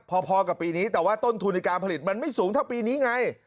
พอกับปีนี้แต่ว่าต้นทุนในการผลิตมันไม่สูงเท่าปีนี้ไง